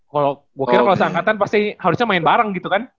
kalo gue kira kalo seangkatan pasti harusnya main bareng gitu kan di im kan